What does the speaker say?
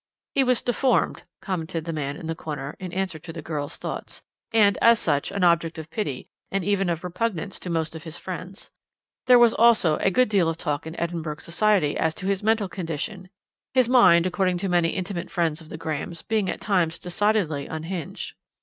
"He was deformed," commented the man in the corner in answer to the girl's thoughts, "and, as such, an object of pity and even of repugnance to most of his friends. There was also a good deal of talk in Edinburgh society as to his mental condition, his mind, according to many intimate friends of the Grahams, being at times decidedly unhinged.